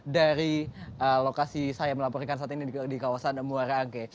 dari lokasi saya melaporkan saat ini di kawasan muara angke